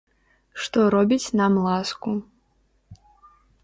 Што робіць нам ласку.